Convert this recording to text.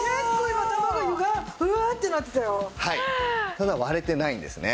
ただ割れてないんですね。